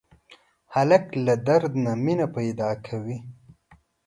هلک له درد نه مینه پیدا کوي.